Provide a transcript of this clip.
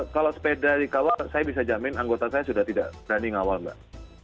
kalau sepeda dikawal saya bisa jamin anggota saya sudah tidak berani ngawal mbak